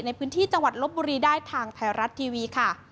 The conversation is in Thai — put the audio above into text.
ในพื้นที่จังหวัดลบบุรีได้ทางไทยรัฐทีวีค่ะ